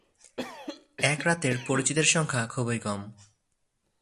এক রাতের পরিচিতের সংখ্যা খুবই কম।